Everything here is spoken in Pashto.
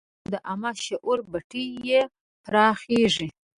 پوهنتونونه او د عامه شعور بټۍ یې پراخېږي.